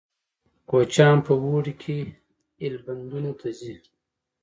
کوچیان په اوړي کې ایلبندونو ته ځي